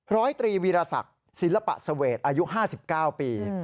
ร้อยตรีวีรศักดิ์ศิลปะเสวดอายุ๕๙ปี